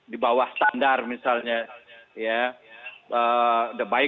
di bawah standar misalnya ya